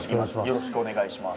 よろしくお願いします。